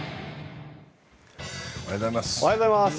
おはようございます。